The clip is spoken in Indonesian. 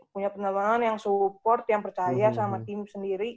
punya penerbangan yang support yang percaya sama tim sendiri